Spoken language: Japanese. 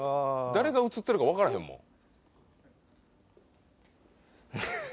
誰が映ってるか分からへんもん。